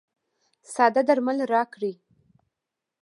ساده درمل راکړئ.